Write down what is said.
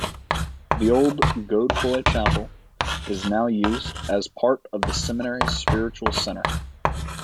The old Godefroy Chapel is now used as part of the seminary's Spiritual Center.